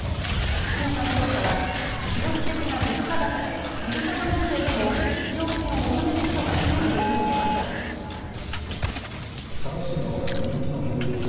市の担当者は記録的な物価高でふるさと納税でも日用品を求める人が増えているのではと話しています。